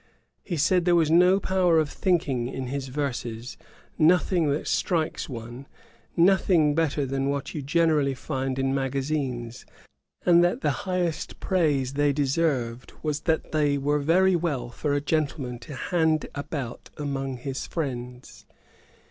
He said there was no power of thinking in his verses, nothing that strikes one, nothing better than what you generally find in magazines; and that the highest praise they deserved was, that they were very well for a gentleman to hand about among his friends.